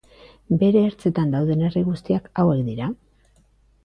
Bere ertzetan dauden herri guztiak hauek dira.